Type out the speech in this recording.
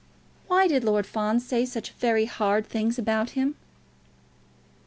Why did Lord Fawn say such very hard things about him?"